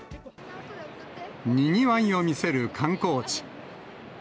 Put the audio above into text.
にぎわいを見せる観光地。